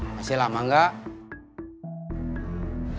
masih lama nggak